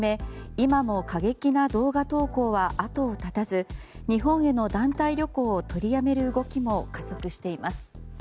今も過激な動画投稿は後を絶たず日本への団体旅行を取りやめる動きも加速しています。